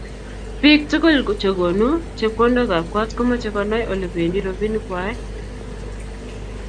Bik tukul che konu chepkondok ab kot komache konai olebendi robinik kwai